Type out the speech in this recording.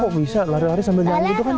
kok bisa lari lari sambil nyanyi itu kan